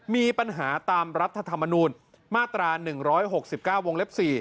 มีปัญหาตามรัฐธรรมนูลมาตรา๑๖๙วงเล็บ๔